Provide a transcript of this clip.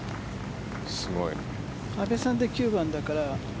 阿部さんで９番だから。